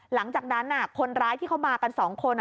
หลังจากนั้นคนร้ายที่เขามากัน๒คน